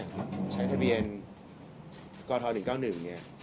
ใช้ทะเบียนกท๑๙๑เนี่ย